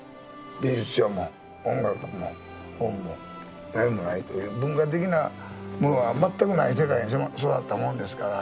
美術書も音楽も本も何もないという文化的なものが全くない世界で育ったもんですから。